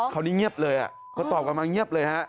ค่อนี้เงียบเลยนะก็ตอบกันมาเงียบเลยนะ